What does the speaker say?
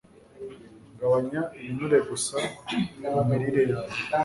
gabanya ibinure gusa mu mirire yawe